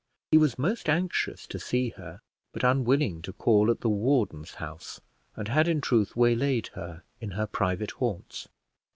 He was most anxious to see her, but unwilling to call at the warden's house, and had in truth waylaid her in her private haunts.